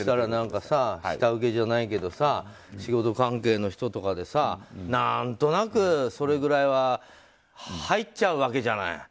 そうしたら、下請けじゃないけど仕事関係の人とかで何となくそれぐらいは入っちゃうわけじゃない。